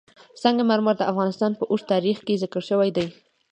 سنگ مرمر د افغانستان په اوږده تاریخ کې ذکر شوی دی.